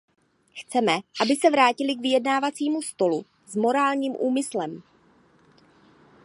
Chceme, aby se vrátili k vyjednávacímu stolu s morálním úmyslem.